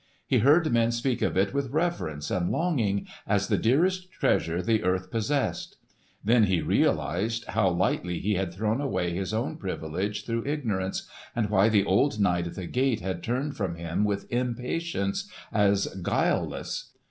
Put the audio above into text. He heard men speak of it with reverence and longing as the dearest treasure the earth possessed. Then he realised how lightly he had thrown away his own privilege through ignorance and why the old knight at the gate had turned from him with impatience, as "guileless."